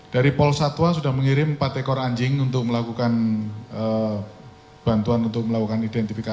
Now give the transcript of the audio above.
dari pol satwa sudah mengirim empat ekor anjing untuk melakukan bantuan untuk melakukan identifikasi